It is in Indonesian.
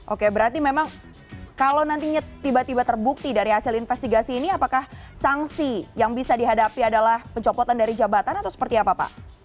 oke berarti memang kalau nantinya tiba tiba terbukti dari hasil investigasi ini apakah sanksi yang bisa dihadapi adalah pencopotan dari jabatan atau seperti apa pak